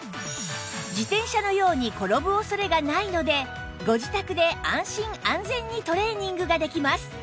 自転車のように転ぶ恐れがないのでご自宅で安心安全にトレーニングができます